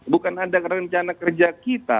bukan ada rencana kerja kita